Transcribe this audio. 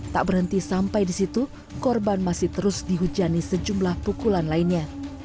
tak berhenti sampai di situ korban masih terus dihujani sejumlah pukulan lainnya